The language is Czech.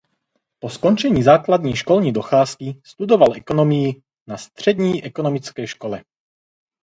Po skončení základní školní docházky studoval ekonomii na střední ekonomické škole.